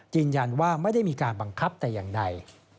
ยืนยันว่าไม่ได้มีการบังคับแต่อย่างใด